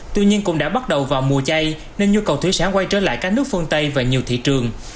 tuy nhiên cũng đã bắt đầu vào mùa chay nên nhu cầu thủy sản quay trở lại các nước phương tây và nhiều thị trường